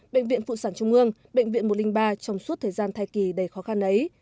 bệnh viện phụ sản trung ương bệnh viện một trăm linh ba trong suốt thời gian thai kỳ đầy khó khăn ấy